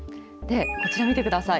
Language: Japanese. こちらを見てください。